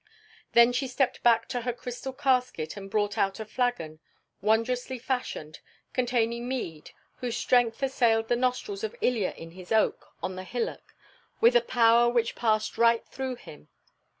Then she stepped back to her crystal casket and brought out a flagon, wondrously fashioned, containing mead, whose strength assailed the nostrils of Ilya in his oak on the hillock with a power which passed right through him.